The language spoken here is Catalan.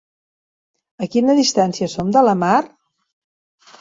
A quina distància som de la mar?